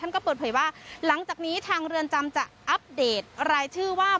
ก็เปิดเผยว่าหลังจากนี้ทางเรือนจำจะอัปเดตรายชื่อว่า